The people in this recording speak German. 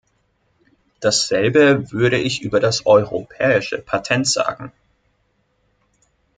Dasselbe würde ich über das Europäische Patent sagen.